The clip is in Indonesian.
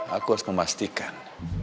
aku harus memastikan